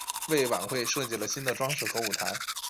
为晚会设计了新的装饰和舞台。